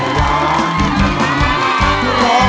สวัสดีครับ